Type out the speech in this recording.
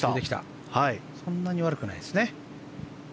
そんなに悪くないですね。